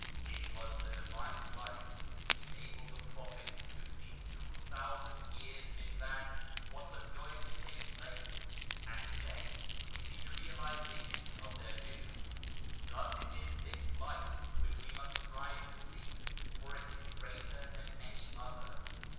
It was the Divine Light which enabled the prophets to see two thousand years in advance what was going to take place and to day we see the realization of their vision. Thus it is this Light which we must strive to seek, for it is greater than any other.